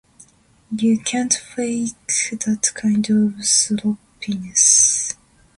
You can't fake that kind of sloppiness.